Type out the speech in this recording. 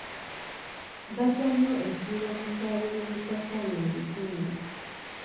Batya nnyo ekiyiwamusaayi olw'obutakkaanya mu bitundu.